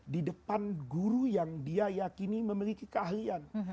di depan guru yang dia yakini memiliki keahlian